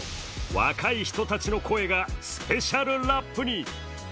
若い人たちの「声」がスペシャルラップに。